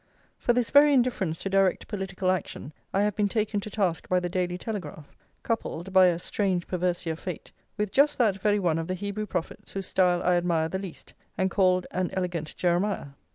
For this very indifference to direct political action I have been taken to task by the Daily Telegraph, coupled, by a strange perversity of fate, with just that very one of the Hebrew prophets whose style I admire the least, and called "an elegant Jeremiah."